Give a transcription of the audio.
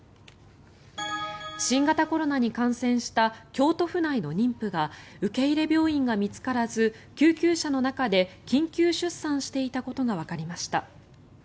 新型コロナに感染した京都府内の妊婦が受け入れ病院が見つからず救急車の中で緊急出産していたことがわかりました。